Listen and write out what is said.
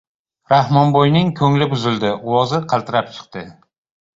Rahmonboyning ko‘ngli buzildi. Ovozi qaltirab chiqdi: